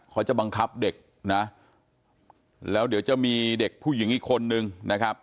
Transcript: เขาจะบังคับเด็กนะแล้วเดี๋ยวจะมีเด็กผู้หญิงอีกคนนึงนะครับ